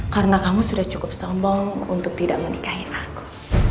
karena kamu sudah cukup sombong untuk tidak menikahi aku